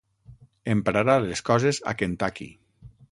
Emprarà les coses a Kentucky.